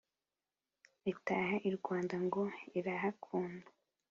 itaha i rwanda ngo irahakunda